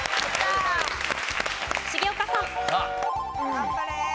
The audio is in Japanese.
頑張れ。